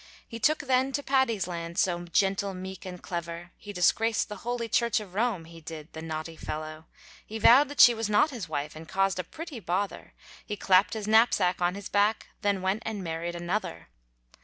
He took then to Paddy's land, So gentle, meek, and clever, He disgraced the Holy Church of Rome, He did, the naughty fellow; He vowed that she was not his wife, And caused a pretty bother, He clapped his knapsack on his back, Then went and married another.